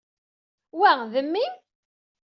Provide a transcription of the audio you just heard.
Wa, d mmi-m?